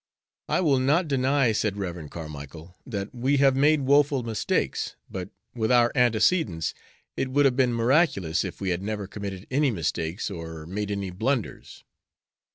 "I will not deny," said Rev. Carmicle, "that we have made woeful mistakes, but with our antecedents it would have been miraculous if we had never committed any mistakes or made any blunders."